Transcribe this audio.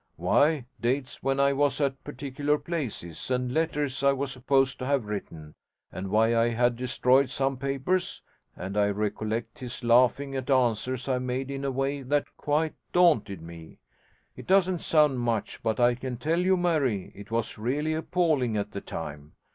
'Why, dates when I was at particular places, and letters I was supposed to have written, and why I had destroyed some papers; and I recollect his laughing at answers I made in a way that quite daunted me. It doesn't sound much, but I can tell you, Mary, it was really appalling at the time.